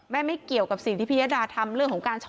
แม่ไม่เกี่ยวกับสิ่งที่พี่ยดาทำ